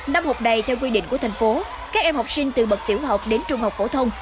năm học đầy theo quy định của thành phố các em học sinh từ bậc tiểu học đến trung học phổ thông